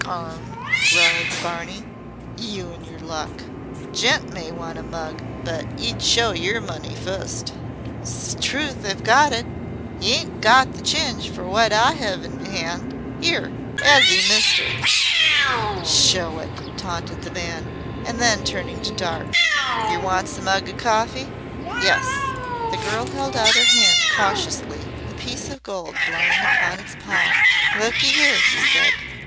"Garn," growled Barney. "You an' yer luck! Gent may want a mug, but y'd show yer money fust." "Strewth! I've got it. Y' aint got the chinge fer wot I 'ave in me 'and 'ere. 'As 'e, mister?" "Show it," taunted the man, and then turning to Dart. "Yer wants a mug o' cawfee?" "Yes." The girl held out her hand cautiously the piece of gold lying upon its palm. "Look 'ere," she said.